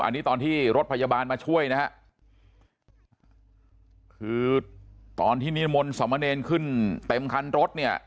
อันนี้ตอนที่รถพยาบาลมาช่วยนะฮะคือตอนที่นิมนต์สมเนรขึ้นเต็มคันรถเนี่ย